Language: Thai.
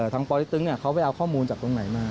ปติ๊กตึงเขาไปเอาข้อมูลจากตรงไหนมา